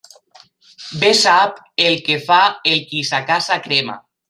Bé sap el que fa el qui sa casa crema.